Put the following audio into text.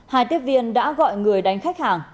hai tiếp viên đã gọi người đánh khách hàng